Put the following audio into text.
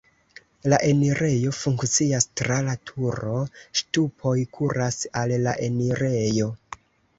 La enirejo funkcias tra la turo, ŝtupoj kuras al la enirejo.